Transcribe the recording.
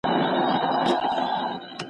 د ایران پوځ د افغانانو په پرتله څو چنده زیات و.